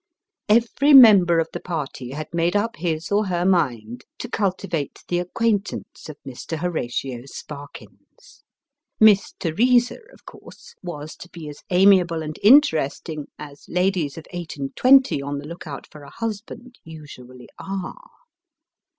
Every member of the party had made up his or her mind to cultivate the acquaintance of Mr. Horatio Sparkins. Miss Teresa, of course, was to be as amiable and interesting as ladies of eight and twenty on the look out for a husband, usually are.